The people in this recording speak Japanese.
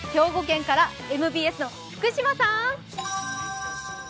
兵庫県からＭＢＳの福島さん。